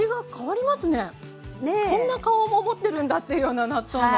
こんな顔も持ってるんだっていうような納豆の。